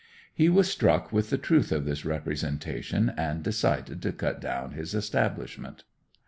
He was struck with the truth of this representation, and decided to cut down his establishment.